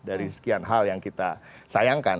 dari sekian hal yang kita sayangkan